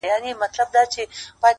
سم په لاره کی اغزی د ستوني ستن سي!